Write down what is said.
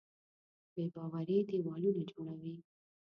بېباوري دیوالونه جوړوي.